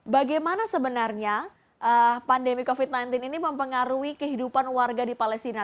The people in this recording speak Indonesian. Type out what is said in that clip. bagaimana sebenarnya pandemi covid sembilan belas ini mempengaruhi kehidupan warga di palestina